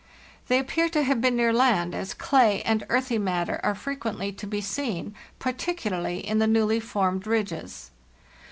They appear to have been near land, as clay and earthy matter are frequently to be seen, particularly in the newly formed ridges.